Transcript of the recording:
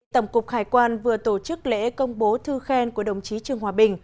tổng cục hải quan vừa tổ chức lễ công bố thư khen của đồng chí trương hòa bình